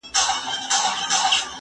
زه تمرين کړي دي